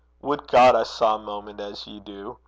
Would God I saw a moment as ye do!